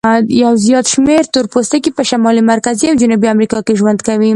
یو زیات شمیر تور پوستکي په شمالي، مرکزي او جنوبي امریکا کې ژوند کوي.